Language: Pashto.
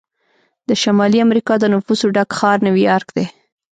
د شمالي امریکا د نفوسو ډک ښار نیویارک دی.